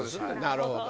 なるほど。